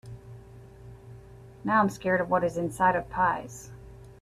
Now, I’m scared of what is inside of pies.